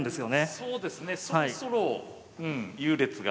そうですねそろそろ優劣が。